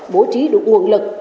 bổ trí được nguồn lực